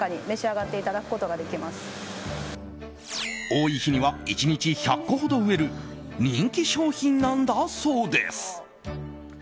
多い日には１日１００個ほど売れる人気商品なんだそうです。